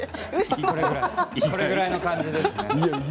これぐらいの感じです。